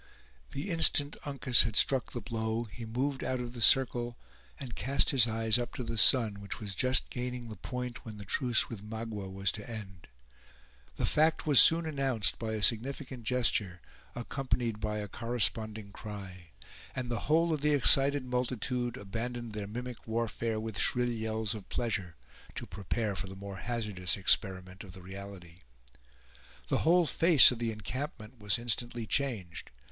The instant Uncas had struck the blow, he moved out of the circle, and cast his eyes up to the sun, which was just gaining the point, when the truce with Magua was to end. The fact was soon announced by a significant gesture, accompanied by a corresponding cry; and the whole of the excited multitude abandoned their mimic warfare, with shrill yells of pleasure, to prepare for the more hazardous experiment of the reality. The whole face of the encampment was instantly changed.